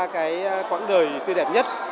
cái quãng đời tươi đẹp nhất